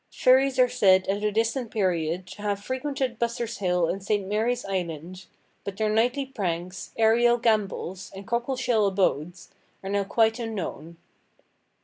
Fairies are said, at a distant period, "to have frequented Bussers–hill in St. Mary's island, but their nightly pranks, aërial gambols, and cockle–shell abodes, are now quite unknown."